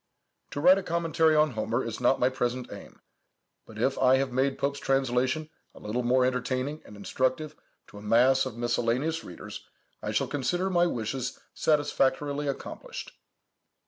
To write a commentary on Homer is not my present aim; but if I have made Pope's translation a little more entertaining and instructive to a mass of miscellaneous readers, I shall consider my wishes satisfactorily accomplished.